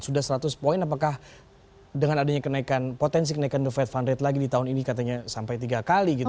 sudah seratus poin apakah dengan adanya kenaikan potensi kenaikan the fed fund rate lagi di tahun ini katanya sampai tiga kali gitu